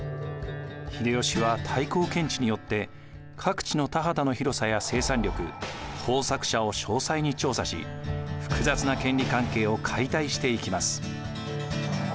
秀吉は太閤検地によって各地の田畑の広さや生産力耕作者を詳細に調査し複雑な権利関係を解体していきます。